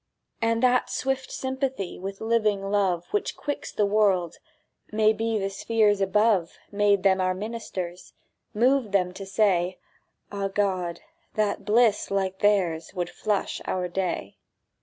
And that swift sympathy With living love Which quicks the world—maybe The spheres above, Made them our ministers, Moved them to say, "Ah, God, that bliss like theirs Would flush our day!"